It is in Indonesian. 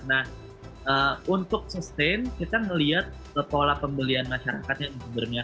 nah untuk sustain kita ngeliat pola pembelian masyarakatnya sebenernya